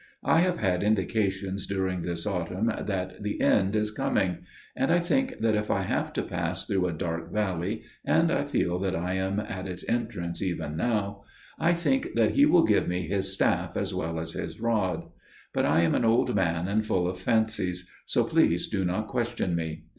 I have had indications during this autumn that the end is coming, and I think that if I have to pass through a dark valley,––and I feel that I am at its entrance even now,––I think that He will give me His staff as well as His rod. But I am an old man and full of fancies, so please do not question me.